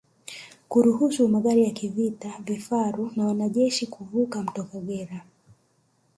Kuruhusu magari ya kivita vifaru na wanajeshi kuvuka mto Kagera